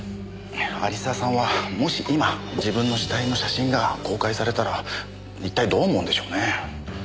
有沢さんはもし今自分の死体の写真が公開されたら一体どう思うんでしょうね？